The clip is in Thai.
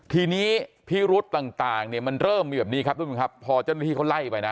ทีนี้พิรุษต่างเนี่ยมันเริ่มมีแบบนี้ครับทุกผู้ชมครับพอเจ้าหน้าที่เขาไล่ไปนะ